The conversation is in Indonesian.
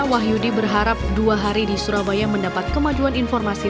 wahyudi berharap dua hari di surabaya mendapat kemajuan informasi